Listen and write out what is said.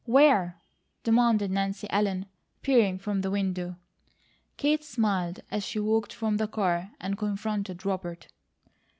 "Where?" demanded Nancy Ellen, peering from the window. Kate smiled as she walked from the car and confronted Robert.